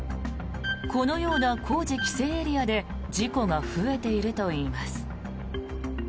このような工事規制エリアで事故が増えているといいます。